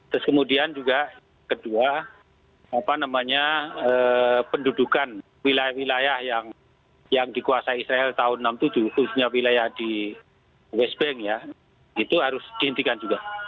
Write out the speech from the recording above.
terus kemudian juga kedua pendudukan wilayah wilayah yang dikuasai israel tahun seribu sembilan ratus tujuh khususnya wilayah di west bank ya itu harus dihentikan juga